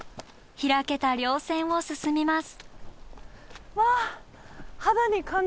開けた稜線を進みます。